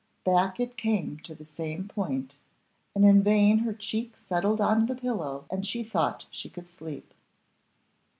Back it came to the same point, and in vain her cheek settled on the pillow and she thought she could sleep.